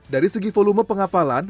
dari segi volume pengapalan